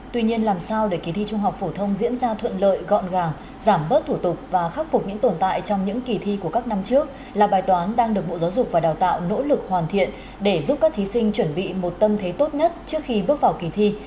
tuy nhiên làm sao để kỳ thi trung học phổ thông diễn ra thuận lợi gọn gàng giảm bớt thủ tục và khắc phục những tồn tại trong những kỳ thi của các năm trước là bài toán đang được bộ giáo dục và đào tạo nỗ lực hoàn thiện để giúp các thí sinh chuẩn bị một tâm thế tốt nhất trước khi bước vào kỳ thi